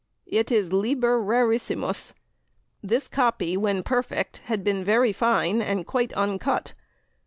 It is 'liber rarissimus.' This copy when perfect had been very fine and quite uncut.